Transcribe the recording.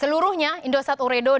seluruhnya indosat uredo dan jepang